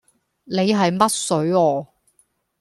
你係乜水啊